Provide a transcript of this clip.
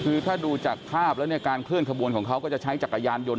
คือถ้าดูจากภาพแล้วเนี่ยการเคลื่อนขบวนของเขาก็จะใช้จักรยานยนต